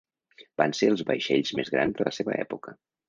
Van ser els vaixells més grans de la seva època.